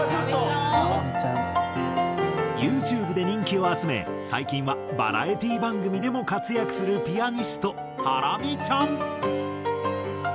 ＹｏｕＴｕｂｅで人気を集め最近はバラエティー番組でも活躍するピアニストハラミちゃん。